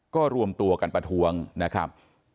ก็รวมตัวกันประท้วงนะครับ